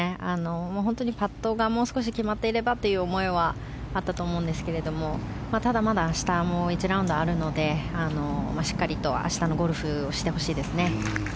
本当にパットが、もう少し決まっていればという思いはあったと思うんですけどもただまだ明日もう１ラウンドあるのでしっかりと明日のゴルフをしてほしいです。